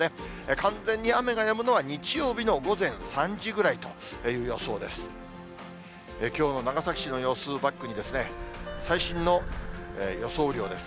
完全に雨がやむのは、日曜日の午前３時ぐらいという予想です。